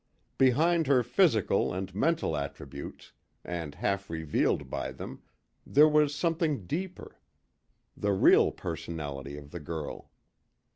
Behind her physical and mental attributes, and half revealed by them, there was something deeper: the real personality of the girl.